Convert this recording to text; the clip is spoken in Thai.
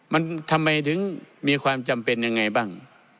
มันทำไมถึงมีความจำเป็นยังไงบ้าง